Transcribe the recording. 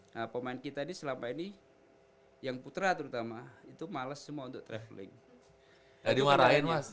nah pemain kita di selama ini yang putra terutama itu males semua untuk traveling jadi marahin mas